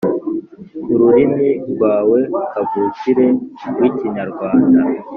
ururimi rwawe kavukire rw’Ikinyarwanda,